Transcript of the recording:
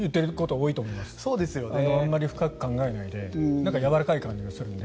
あまり深く考えないでやわらかい感じがするので。